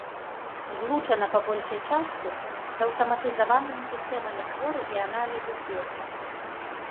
Злучана па большай частцы з аўтаматызаванымі сістэмамі збору і аналізу звестак.